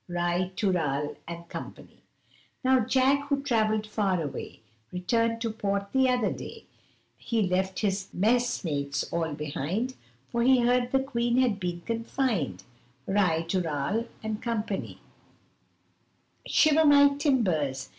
Ri tooral, &c. Now Jack, who'd travell'd far away, Returned to port the other day He left his messmates all behind, For he heard the Queen had been confin'd. Ri tooral, &c. 'Shiver my timbers!